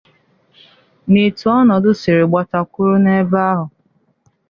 nà etu ọnọdụ siri gbata kwụrụ n'ebe ahụ.